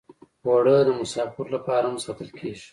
اوړه د مسافرو لپاره هم ساتل کېږي